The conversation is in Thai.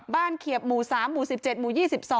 เขียบหมู่๓หมู่๑๗หมู่๒๒